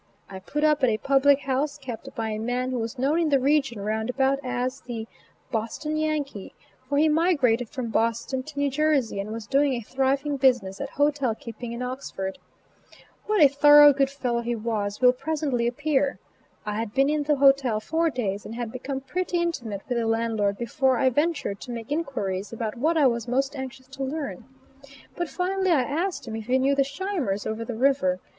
I "put up" at a public house kept by a man who was known in the region round about as the "Boston Yankee," for he migrated from Boston to New Jersey and was doing a thriving business at hotel keeping in Oxford. What a thorough good fellow he was will presently appear. I had been in the hotel four days and had become pretty intimate with the landlord before I ventured to make inquiries about what I was most anxious to learn; but finally I asked him if he knew the Scheimers over the river?